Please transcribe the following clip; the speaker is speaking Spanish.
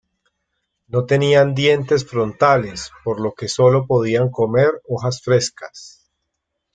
No tenían dientes frontales, por lo que sólo podían comer hojas frescas.